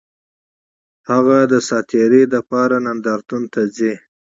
هغه د تفریح لپاره نندارتونونو ته ځي